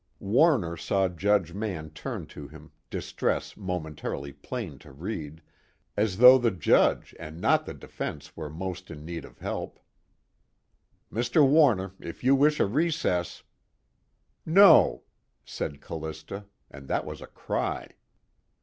Warner saw Judge Mann turn to him, distress momentarily plain to read, as though the Judge and not the defense were most in need of help. "Mr. Warner, if you wish a recess " "No!" said Callista, and that was a cry.